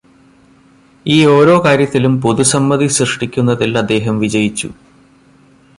ഈ ഓരോ കാര്യത്തിലും പൊതുസമ്മതി സൃഷ്ടിക്കുന്നതിൽ അദ്ദേഹം വിജയിച്ചു.